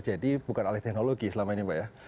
jadi bukan alih teknologi selama ini mbak ya